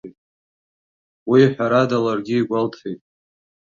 Уи, ҳәарада, ларгьы игәалҭеит.